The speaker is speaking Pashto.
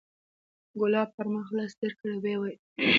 ګلاب پر مخ لاس تېر کړ ويې ويل.